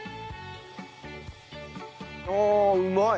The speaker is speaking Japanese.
ああうまい！